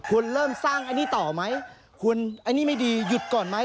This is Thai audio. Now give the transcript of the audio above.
คุณเริ่มสร้างอันนี้ต่อไหมคุณไอ้นี่ไม่ดีหยุดก่อนไหม